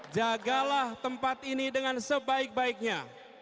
jagalah tempat ini dengan sebaik baiknya